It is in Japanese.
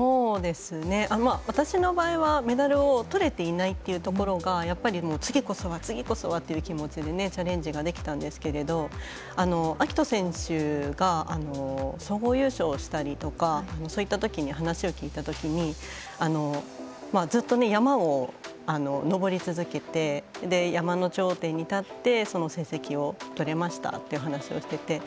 私の場合はメダルをとれていないというところが次こそは、次こそはという気持ちでチャレンジができたんですけども暁斗選手が総合優勝をしたりとかそういったときに話を聞いたときにずっと山を登り続けて山の頂点に立って成績をとれましたという話をしてて。